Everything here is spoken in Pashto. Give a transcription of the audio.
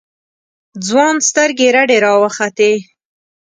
ځوان سترگې رډې راوختې.